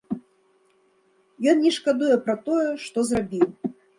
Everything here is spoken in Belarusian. Ён не шкадуе пра тое, што зрабіў.